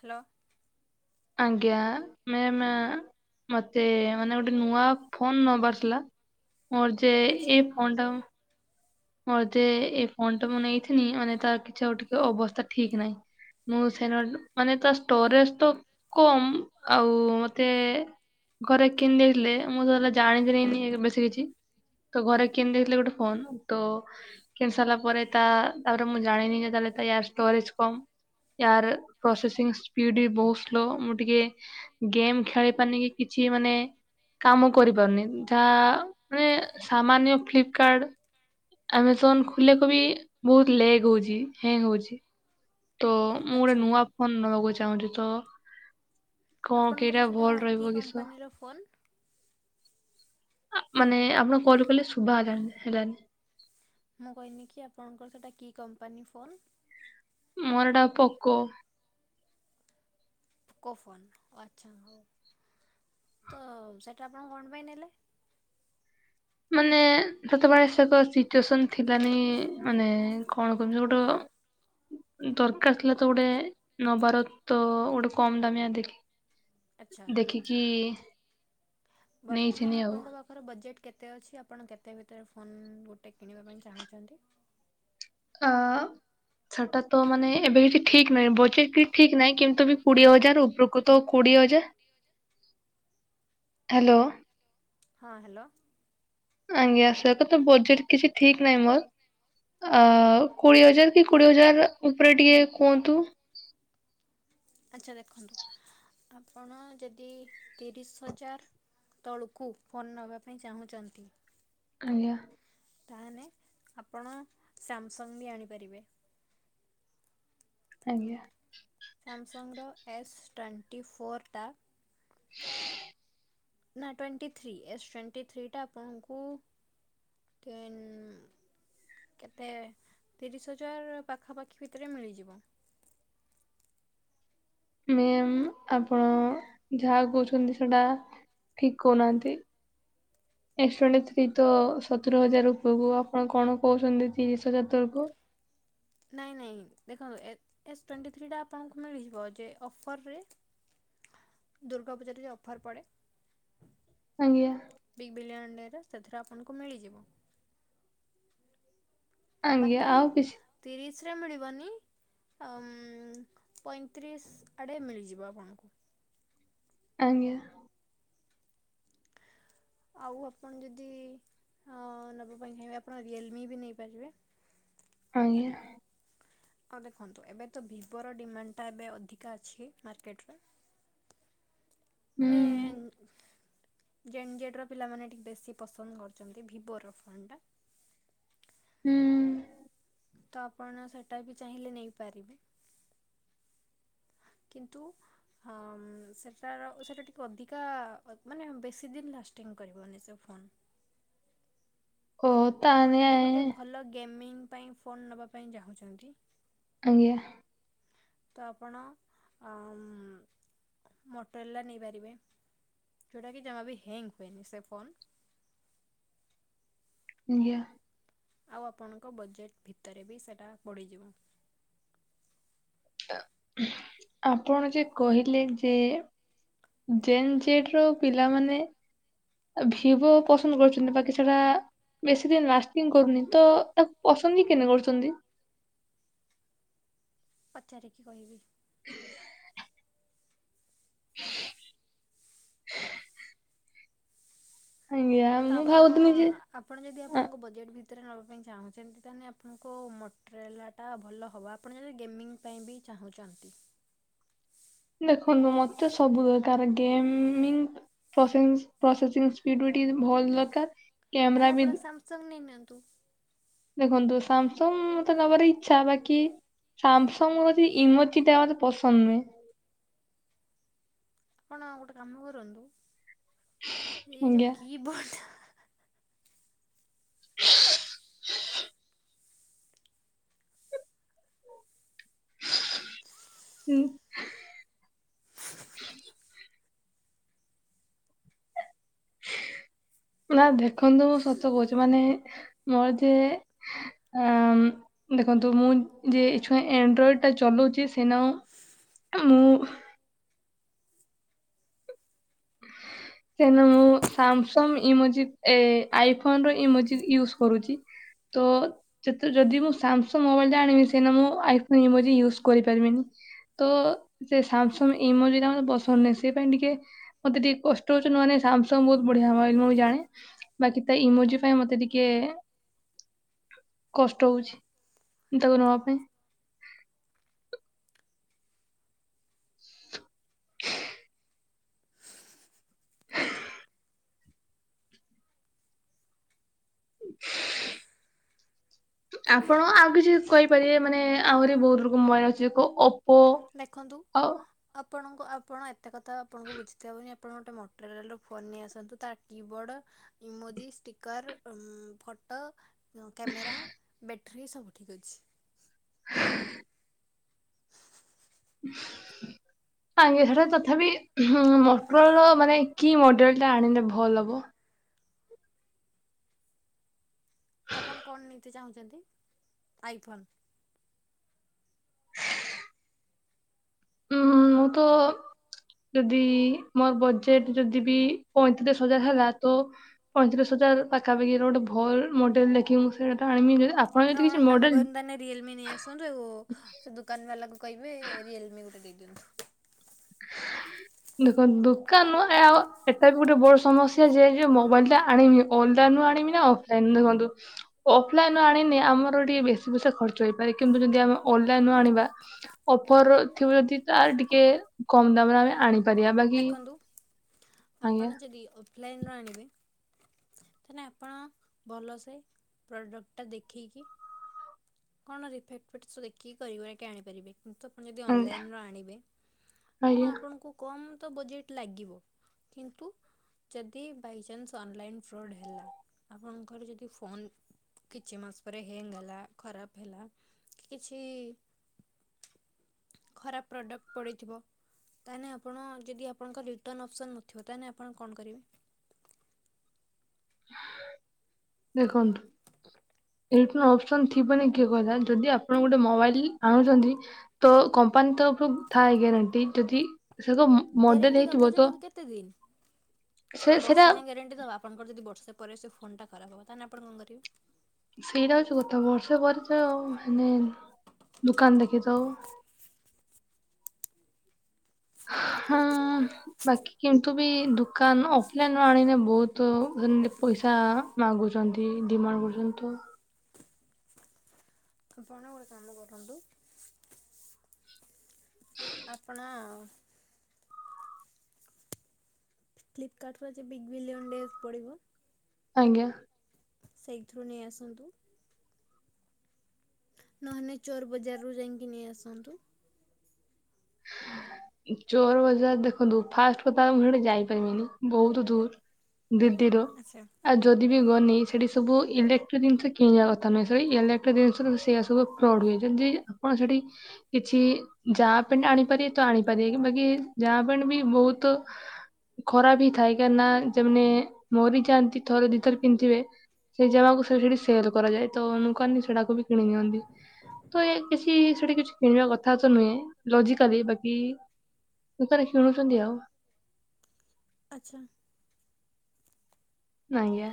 Hello. ଆଜ୍ଞା ମ୍ୟାମା ମତେ ମାନେ ଗୋଟେ ନୂଆ ଫୋନ ନେବାର ଥିଲା। ମରୋଯେ ଆଚ୍ଛା ଏଇ ଫୋନ୍ ଟାକୁ ମୋର ଯେ ଏ ଫୋନଟା ମୁଁ ନେଇଥିଲି ମାନେ ତାର କିଛି ଆଉ ଟିକେ ଅବସ୍ଥା ଠିକ ନାହିଁ। ମୁଁ ସେରଲଡ ମାନେ ତା ଷ୍ଟୋରେଜ ତ କମ୍ ଆଉ ମତେ ଘରେ କିଣି ଦେଇଥିଲେ ମୁଁ ହେତଲେ ଜାଣିଥିଲିନି ବେଶୀ କିଛି ତ ଘରେ କିଣିି ଦେଇଥିଲେ ଗୋଟେ ଫୋନ। ତ କିଣି ସାରିଲା ପରେ ତା ତାପରେ ମୁଁ ଜାଣିନି ଯେ ତାଲେ ୟାର ଷ୍ଟୋରେଜ କମ୍। ୟାର ପ୍ରୋସେସିଂ ସ୍ପିଡ ବି ବହୁତ ସ୍ଲୋ ମୁଁ ଟିକେ ଗେମ୍ ଖେଳି ପାରନୁ କି କିଛି ମାନେ କାମ କରିପାରୁନି ଯାହା ମାନେ ସାମାନ୍ୟ ଫ୍ଲିପକାର୍ଡ ଆମଜନ ଖୋଲିଆକୁ ବି ବହୁତ ଲେଗ ହଉଛି ହେଙ୍ଗ ହଉଛି। ତ ମୁଁ ଗୋଟେ ଆଚ୍ଛା ନୂଆ ଫୋନ ନବାକୁ ଚାହୁଁଛି ତ କଣ କେଟା ଭଲ ରହିବ କିସ ର ଫନ ଆ ମାନେ ଆପଣ କଲ କଲେ ଶୁଭା ହାଲାନି ହେଲାଣି। ମୁଁ କହିନିକି ଆପଣଙ୍କର ସେଇଟା କି କମ୍ପାନୀ ଫୋନ୍? ମୋର ଏଟା ପୋକୋ। ପୋକୋ ଫୋନ୍ ଆଚ୍ଛା ହଉ ତ ସେଇଟା ଆପଣ କଣ ପାଇଁ ନେଲେ? ମାନେ ସେତେବେଳେ ସେ ଏକ ସିଚୁଏସନ ଥିଲାନି ମାନେ କଣ କହିବି ଗୋଟେ ଦରକାର ଥିଲା ତ ଗୋଟେ ନବାର ତ ଗୋଟେ କମ ଦାମିଆ ଦେଖି ଆଚ୍ଛା ଦେଖିକି ନେଇଥିନି ବର୍ତ୍ତମାନ ଆଉ ଆପଣଙ୍କ ପାଖ ତାଙ୍କର ବଜେଟ୍ କେତେ ଅଛି ଆପଣ କେତେ ଭିତରେ ଫୋନ୍ ଗୋଟେ କିଣିବା ପାଇଁ ଚାହୁଁଛନ୍ତି। ଆ ସେଟା ତ ମାନେ ଏବେ କିଛି ଠିକ୍ ନାହିଁ ବଜେଟ ବି ଠିକ ନାହିଁ କିନ୍ତୁ ବି କୋଡିଏ ହଜାର ଉପରୁକୁ ତ କୋଡିଏ ହଜା ଛି ହ୍ୟାଲୋ। ହଁ ହ୍ୟାଲୋ। ଆଜ୍ଞା ସେଟାତ ବଜେଟ କିଛି ଠିକ ନାହିଁ ମୋର ଆଉ କୋଡିଏ ହଜାର। କୋଡିଏ ହଜାର ଉପରେ ଟିକେ କୁହନ୍ତୁ। ଆଚ୍ଛା ଦେଖନ୍ତୁ ଆପଣ ଯଦି ତିରିଶ ହଜାର। ତଳୁକୁ ଫୋନ ନେବା ପାଇଁ ଚାହୁଁଛନ୍ତି। ଆଜ୍ଞା। ତାହେନେ ଆପଣ ସାମସଙ୍ଗ ବି ଆଣିପାରିବେ। ଆଜ୍ଞା। ସାମସଙ୍ଗର ଏସ୍ ଟ୍ୱେଣ୍ଟି ଫୋର୍ ଟା [inaudible] ନା ଟ୍ୱେଣ୍ଟି ଥ୍ରୀ ଏସ୍ ଟ୍ୱେଣ୍ଟି ଥ୍ରୀଟା ଆପଣଙ୍କୁ ଟ୍ରେନ୍ ଉଁ କେତେ ତିରିଶ ହଜାର ପାଖାପାଖି ଭିତରେ ମିଳିଯିବ। ମ୍ୟାମ ଆପଣ ଯାହା କହୁଛନ୍ତି ସେଟା ଠିକ କହୁନାହାନ୍ତି। [inaudible] ଏସ ଟ୍ୱେନ୍ତି ଥ୍ରୀ ତ ସତର ହଜାର ଉପରକୁ ଆପଣ କଣ କହୁଛନ୍ତି ତିରିଶ ହଜାର ତରକୁ। ନାଇଁ ନାଇଁ ଦେଖନ୍ତୁ ଏ ଏସ୍ ଟ୍ୱେଣ୍ଟି ଥ୍ରୀଟା ଆପଣଙ୍କୁ ମିଳିଯିବ ଯେ ଅଫରରେ ଦୂର୍ଗା ପୂଜାରେ ଯଉ ଅଫର ପଡ଼େ। ଆଜ୍ଞା। ବିଗ୍ ବିଲିୟନ ଡେରେ ସେଥିରେ ଆପଣଙ୍କୁ ମିଳିଯିବ। ଆଜ୍ଞା ବାକି ଆଉ କିଛି ତିରିଶ ରେ ମିଳିବନି? ପଇଁତିରିଶ ଆଡ଼େ ମିଳିଯିବ ଆପଣଙ୍କୁ। ଆଜ୍ଞା। ଆଉ ଆପଣ ଯଦି ହଁ ନେବା ପାଇଁ ହେଲେ ଆପଣ ରିଅଲମି ବି ନେଇପାରିବେ। ଆଜ୍ଞା। ଆଉ ଦେଖନ୍ତୁ ଏବେ ତ ଭିବୋର ଡିମାଣ୍ଡଟା ଏବେ ଅଧିକା ଅଛି ମାର୍କେଟରେ ହୁଁ ମାନେ ଜେନ୍ ଜେଡ ର ପିଲାମାନେ ଟିକେ ବେଶୀ ପସନ୍ଦ କରୁଚନ୍ତି ଭିବୋର ଫୋନ୍ ଟା। ହୁଁ ଉଁ ତ ଆପଣ ସେଟା ବି ଚାହିଁଲେ ନେଇପାରିବେ। କିନ୍ତୁ ହଁ ସେଟାର ସେଇଟା ଟିକେ, ଅଧିକା ମାନେ ବେଶୀ ଦିନ ଲାଷ୍ଟିଙ୍ଗ କରିବନି ସେ ଫୋନ୍। ଓ ଆପଣ ତାହାନେ ଯଦି ଗୋଟେ ଆଜ୍ଞା ଭଲ ଗେମିଂ ପାଇଁ ଫୋନ୍ ନେବା ପାଇଁ ଚାହୁଁଛନ୍ତି। ଆଜ୍ଞା। ତ ଆପଣ ମୋଟରୋଲା ନେଇପାରିବେ ଯେଉଁଟା କିି ଜମା ବି ହ୍ୟାଙ୍ଗ ହୁଏନି ସେ ଫୋନ୍। ଆଜ୍ଞା। ଆଉ ଆପଣଙ୍କ ବଜେଟ୍ ଭିତରେ ବି ସେଟା ପଡିଯିବ। ଆପଣ ଯେ କହିଲେ ଯେ ଜେନ୍ ଜେଡ ରୁ ପିଲାମାନେ ଭିବୋ ପସନ୍ଦ କରୁଛନ୍ତି ବାକି ସେଟା ବେଶୀ ଦିନ ଲାଷ୍ଟିଂ କରୁନି ତ, ତାକୁ ପସନ୍ଦ କି କେନେ କରୁଛନ୍ତି। ପଚାରି କିି କହିବି। [unintelligible] [unintelligible] ୟାଁତ୍ ତ ଆପଣ ଆପଣ ଯଦି ଆପଣଙ୍କ ବଜେଟ୍ ଭିତରେ ନେବା ପାଇଁ ଚାହୁଁଛନ୍ତି, ତାହେଲେ ଆପଣଙ୍କ ମଟେରିଲ୍ ତା ଭଲ ହେବ, ଆପଣ ଯଦି ଗେମିଙ୍ଗ ପାଇଁ ବି ଚାହୁଁଛନ୍ତି। ଦେଖନ୍ତୁ ମତେ ସବୁ ଦରକାର ଗେମମିଙ୍କ୍‌ ପ୍ରେସେନ ପ୍ରସେସିଂ ସ୍ପିଡ ବି ଟିକ ଭଲ ଦରକାର। କ୍ୟାମେରା ତାହେଲେ ବି ଆପଣ ସାମସଙ୍ଗ୍ ନେଇ ନିଅନ୍ତୁ। ଦେଖନ୍ତୁ ସାମସଙ୍ଗ ମତେ ନବାର ଇଛା, ବାକି ସ୍ୟାମସଙ୍ଗ ଉଇଥି ଇମୋଠିଟାୱାର ପସନ୍ଦ ନୁହେଁ। ଆପଣ ଗୋଟେ କାମ କରନ୍ତୁ ସେ ଏଇ ଯୋଉ ଆଜ୍ଞା। କି ବୋର୍ଡ [unintelligible] [unintelligible] [unintelligible] ନା ଦେଖନ୍ତୁ ମୁଁ ସତ କହୁଛି, ମାନେ ମୋର ଯିଏ ଆ ଦେଖନ୍ତୁ ମୁଁ ଯେ ଏ ଛୁଆ ଏଣ୍ଡ୍ରଏଡ ଟା ଚଲାଉଛି ସେନ ମୁଁ ସେ ମୁଁ ସାମସଙ୍ଗ ଇମୋଜି ଆଇଫୋନ ର ଇମୋଜ ୟୁଜ କରୁଛି। ତ ଯଦି ଯଦି ମୁଁ ସାମସଙ୍ଗ ମୋବାଇଲ୍ ଟା ଆଣିବି ସେନ ମୁଁ ଆଇଫୋନ ୟୁଜ୍ କରିପାରିବିନି। ତ ସେ ସାମସଙ୍ଗ ଇମୋଜିଟା ମୋତେ ପସନ୍ଦ ନୁହେଁ, ସେଇ ପାଇଁ ଟିକେ ମତେ ଟିକେ କଷ୍ଟ କହିଛନ୍ତି ମାନେ ସାମସଙ୍ଗ ବହୁତ ବଢିଆ ହେବ, ମୁଁ ଜାଣେ ବାକି ତା ଇମୋଜି ପାଇଁ ମତେ ଟିକେ କଷ୍ଟ ହଉଛି ତାକୁ ନବା ପାଇଁ [unintelligible] ଆପଣ ଆଉ କିଛି କହିପାରିବେ ମାନେ ଆହୁରି ବହୁତ ରୋକ ମୋବାଇଲ୍ ଅଛି। ଏକ ଓପୋ ଖନ୍ତୁ ଆଉ ଆପଣଙ୍କ ଆପଣ ଏତେ କଥା ଆପଣଙ୍କୁ ବୁଝିିତେ ହବନି ଆ ଆପଣ ଗୋଟେ ମୋଟେରିଆଲର ଫୋନ୍ ନେଇ ଆସନ୍ତୁ ତା କି ବୋର୍ଡ଼ ଇମୋଜି ଷ୍ଟିକର ଉଁ, ଫଟୋ ଯୋଉ କ୍ୟାମେରା, ବ୍ୟାଟେରୀ ସବୁ ଠିକ୍ ଅଛି। ହଁ [unintelligible] [inaudible] ହ [unintelligible] ଆଉ ଏ ଧର ତଥାବି ହଁ ମଟ୍ରଲା ମାନେ କି ମଡେଲ୍ ଟା ଆଣିଲେ ଭଲ ହବ? ତ ଆପଣ କଣ ନେଇତେ ଚାହୁଁଚନ୍ତି ଆଇଫୋନ୍? ଉଁ, ମୁଁ ତ ଯଦି ମୋର ବଜେଟ୍ ଯଦି ବି ପଇଁତିରିଶ ହଜାର ହେଲା ତ ପଇଁତିରିଶ ହଜାର ପାଖାପଖି ର ଗୋଟେ ଭଲ ମଡେଲ୍ ଦେଖିକି ମୁଁ ସେଇଟା ଆଣିମି ଯେ ଆ ଆପଣ କାମ କରନ୍ତୁ ତା ହେନେ ରିୟଲମି ନେଇ ଆସ ଶୁଣନ୍ତୁ ସେ ଦୋକାନ ବାଲା କୁ କହିବେ ରିଏଲମି ଗୋଟେ ଦେଇ ଦିଅନ୍ତୁ। [inaudible] ଦେଖ ଦୋକାନ ଆଉ ଏଟା ବି ଗୋଟେ ବଡ ସମସ୍ୟା ଯେ ଯେ ମୋବାଇଲ୍ ଟା ଆଣିବି ଅନଲାଇନ୍‌ ରୁ ଆଣିମି ନା ଅଫଲାଇନ୍ ଦେଖନ୍ତୁ ଅଫଲାଇନ୍ ରୁ ଆଣିନେ ଆମର ଟିକେ ବେଶୀ ପଇସା ଖର୍ଚ୍ଚ ହେଇପାରେ। କିନ୍ତୁ ଯଦି ଆମେ ଅନଲାଇନ୍ ରୁ ଆଣିବା ଅଫର୍ ଥିବ ଯଦି ତାର ଟିକେ କମ ଦାମରେ ଆମେ ଆଣିପାରିବା। ବାକି ଦେଖନ୍ତୁ ଆଜ୍ଞା ଆପଣ ଯଦି ଅଫଲାଇନ୍ ର ଆଣିବେ ତାନେ ଆପଣ ଭଲସେ ପ୍ରଡ଼କ୍ଟ ଟା ଦେଖିକି କଣ ରିଫେଟ୍ ଫେଟ୍ ସବୁ ଦେଖିକି କରି କୁରାଇକି ଆଣି ପାରିବେ। କିନ୍ତୁ ଆପଣ ଯଦି ଆଜ୍ଞା ଅନଲାଇନ୍ ରୁ ଆଣିବେ ହଁ ଆଜ୍ଞା ଆପଣଙ୍କୁ କମ ତ ବଜେଟ୍ ଲାଗିବ। କିନ୍ତୁ ଯଦି ବାଇଚାନ୍ସ ଅନଲାଇନ୍ ଫ୍ରଡ଼୍ ହେଲା ଆପଣଙ୍କର ଯଦି ଫୋନ୍ କିଛି ମାସ ପରେ ହେଙ୍ଗ୍ ହେଲା, ଖରାପ ହେଲା, କିଛି ଖରାପ ପ୍ରଡ଼କ୍ ପଡ଼ିଥିବ। ତାହେନେ ଆପଣ ଯଦି ଆପଣଙ୍କ ରିଟର୍ଣ୍ଣ ଅପସନ୍ ନଥିବ ତାହେନେ ଆପଣ କଣ କରିବେ? ଦେଖନ୍ତୁ ରିଟର୍ଣ୍ଣ ଅପସନ୍ ଥିବନି କିଏ କହିଲା ଯଦି ଆପଣ ଗୋଟେ ମୋବାଇଲ୍ ଆଣୁଚନ୍ତି ତ କମ୍ପାନୀ ତରଫରୁ ଥାଏ ଗ୍ୟାରେଣ୍ଟି। ଯଦି ସେ ତ ମୋ ମଡେଲ ଗ୍ୟାରେଣ୍ଟି ହେଇଥିବ ଦବ ଯେ କିନ୍ତୁ କେତେ ଦିନ ସେ କଣ ସେଇଟା ବର୍ଷେ ଯାଏ ଗ୍ୟାରେଣ୍ଟି ଦବ? ଆପଣଙ୍କ ର ଯଦି ବର୍ଷେ ପରେ ସେ ଫୋନ୍ ଟା ଖରାପ ହବ ତାହେନେ ଆପଣ କଣ କରିବେ? ସେଇଟା ହୋଉଚି କଥା ବର୍ଷେ ପରେ ତ ହେନେ ଦୁକାନ ଦେଖେଇତେ ହବ। ହଁ ବାକି କିନ୍ତୁ ବି ଦୁକାନ ଅଫଲାଇନ୍ ରୁ ଆଣିନେ ବହୁତୁ ଘିନ ଏ ପଇସା ମାଗୁଚନ୍ତି ଡିମାନ୍ କରୁଛନ୍ତି ତ ତ ତାନେ ଗୋଟେ କାମ କରନ୍ତୁ। ହୁଁ [inaudible] ଆପଣ ଫ୍ଲିପକାର୍ଟ ର ଯେ ବିଗ୍ ବିଲିୟନ୍ ଡେଜ୍ ପଡ଼ିବ। ଆଜ୍ଞା। ସେଇଥିରୁ ନେଇ ଆସନ୍ତୁ। ନହେନେ ଚୋର ବଜାରରୁୁ ଯାଇଁକି ନେଇ ଆସନ୍ତୁ। ଚୋର ବଜାର ଦେଖନ୍ତୁ ଫାଷ୍ଟ କଥା ମୁଁ ସେଠିକି ଯାଇପାରିମିନି ବହୁତ ଦୂର୍। ଦିଦିର ଆଚ୍ଛା। ଆଉ ଯଦି ବି ଗନି ସେଠି ସବୁ ଇଲେକ୍ଟ୍ରିକ ଜିନିଷ କିଣିବା କଥା ନୁହେଁ। ସେଇ ଇଲେକ୍ଟ୍ରିକ ଜିନିଷର ସେଇଆ ସବୁ ବଢେଇଚନ୍ତି। ଆପଣ ସେଠି କିଛି ଯା ପେଣ୍ଟ ଆଣିପାରିବେ ତ ଆଣିପାରିବେ। କି ବାକି ଜାମା ପେଣ୍ଟ ବି ବହୁତ ଖରା ବି ଥାଏ କାହିଁକନା ଯେମନି ମୁଁ ବି ଜାଣିଚି ଥରେ ଦିଥର ପିନ୍ଥିବେ। ସେଇ ଜାମାକୁ ସେ ସେଠି ସେଲ କରାଯାଏ ତ ଲୋକମାନେ ସେଟାକୁ ବି କିଣି ନିିଅନ୍ତି। ତ ଏଇ କିଛି ସେଠି କିଛି କିଣିବା କଥା ତ ନୁହେଁ। ଲଜିିକାଲି ବାକି ଲୋକ ମାନେ କିଣୁଛନ୍ତି ଆଉ। ଆଛା। ନାଜ୍ଞା।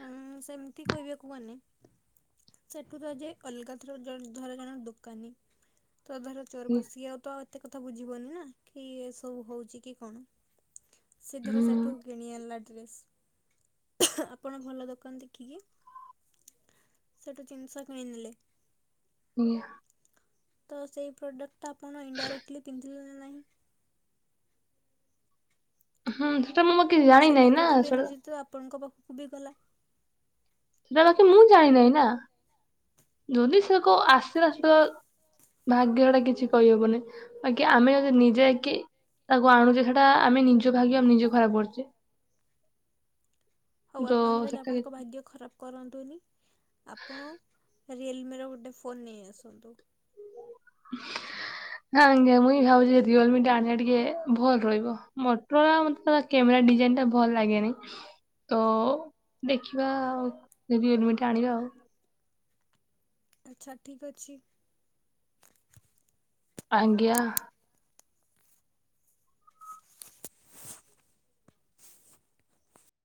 ହୁଁ ସେମିତି କହିବାକୁ ଗଲେ। ସେଠୁ ତାହେଲେ ଜାଇ କଲିକତାରୁ ଜନ ଧର ଜଣେ ଦୋକାନୀ। ତ ଧର ହୁଁ ଚୋରବ ସିଏ ଆଉ ତ ଆଉ ଏତେ କଥା ବୁଝିବନି ନା କି ଇଏ ସବୁ ହଉଛି କି କଣ। ସେ ଧର ହୁଁ ସେଇଠୁ କିଣି ଆଣିଲା ଡ୍ରେସ। ଆପଣ ଭଲ ଦୋକାନ ଦେଖିକି ସେଠୁ ଜିନିଷ କିଣ ନେଲେ। ନିଆ। ତ ସେଇ ପ୍ରଡକ୍ଟା ଆପଣ ଇନ ଡାଇରେକ୍ଟଲି ପିନ୍ଧିଲେ ନା ନାହିଁ। ହୁଁ ସେଟା ମୁଁ ମୋ ସେ ନେଗେଟିଭ୍ ଏନର୍ଜି ତ ଆପଣଙ୍କ ପାଖକୁ ବି ଗଲା। ସେଟା ବାକି ମୁଁ ଜାଣିିନାହିଁ ନା ଯଦି ସେ କ ଆସିଲା ସୁ ଭାଗ୍ୟ ସେଟା କିଛି କଇହବନି ବାକି ଆମେ ଯଦି ନିଜେ କି। ତାକୁ ଆଣୁଚେ ସେଟା ଆମେ ନିଜ ଭାଗ୍ୟ ଆମେ ନିଜେ ଖରାପ କରୁଚେ। ହଉ ତ ଆପଣ ତାହେଲେ ସେଟା ଆପଣଙ୍କ ଭାଗ୍ୟ ଖରାପ। କରନ୍ତୁନି ଆପଣ ରିଏଲମିର ଗୋଟେ ଫୋନ ନେଇ ଆସନ୍ତୁ। [inaudible] ଆଜ୍ଞା ମୁଇଁ ଭାବୁଛି‌ ଯେ ରିଅଲମି ଟା ଆଣିବା ଟିକେ ଭଲ ରହିବ ମଟରୋଲା ମତେ ତ କେମେରା ଡିଜାଇନ ଟା ଭଲ ଲାଗେନି। ତ ଦେଖିବା ଆଉ ରିଏଲମିଟ ଆଣିବା ଆଉ। ଆଚ୍ଛା ଠିକ୍ ଅଛି। ଆଜ୍ଞା। [inaudible]